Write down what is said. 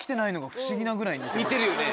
似てるよね。